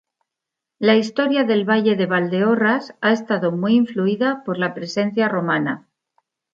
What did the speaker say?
La historia del valle de Valdeorras ha estado muy influida por la presencia romana.